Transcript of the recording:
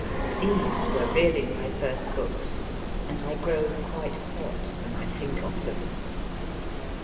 These were really my first books, and I grow quite hot when I think of them.